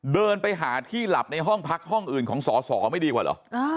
เดินไปหาที่หลับในห้องพักห้องอื่นของสอสอไม่ดีกว่าเหรอ